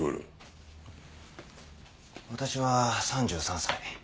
私は３３歳。